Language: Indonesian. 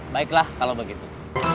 baiklah kalau begitu